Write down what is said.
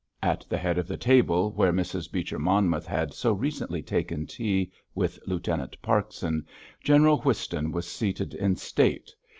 At the head of the table, where Mrs. Beecher Monmouth had so recently taken tea with Lieutenant Parkson, General Whiston was seated in state.